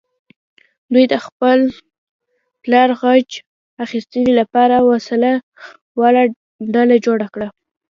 دوی د خپل پلار غچ اخیستنې لپاره وسله واله ډله جوړه کړه.